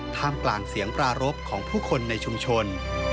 ท่ามกลางเสียงปรารบของผู้คนในชุมชน